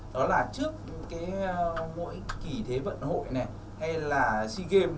đó là trước mỗi kỷ thế vận hội này hay là sea games